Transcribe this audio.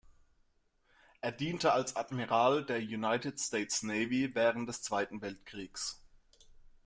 Er diente als Admiral der United States Navy während des Zweiten Weltkrieges.